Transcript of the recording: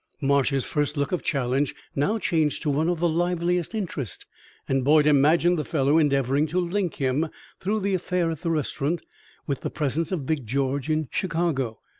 Marsh's first look of challenge now changed to one of the liveliest interest, and Boyd imagined the fellow endeavoring to link him, through the affair at the restaurant, with the presence of Big George in Chicago.